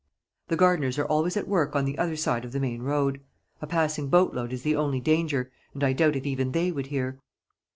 The gardeners are always at work on the other side of the main road. A passing boatload is the only danger, and I doubt if even they would hear."